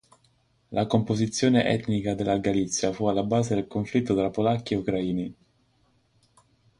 La composizione etnica della Galizia fu alla base del conflitto tra polacchi e ucraini.